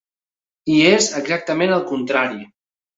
I és exactament al contrari.